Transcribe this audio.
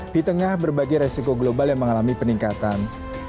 di tengah berbagai resiko global yang mengalami peningkatan